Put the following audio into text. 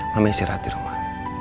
mama istirahat di rumah